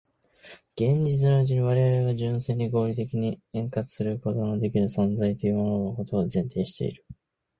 現実のうちに我々が純粋に合理的に演繹することのできぬものが存在するということを前提している。